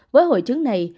với hội chứng này